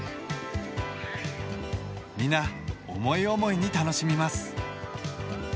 皆思い思いに楽しみます。